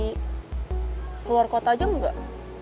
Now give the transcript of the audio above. ke luar kota aja nggak